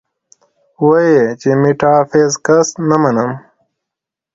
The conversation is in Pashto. وې ئې چې ميټافزکس نۀ منم -